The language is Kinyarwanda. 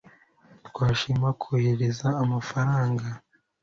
Twashima kohereza amafaranga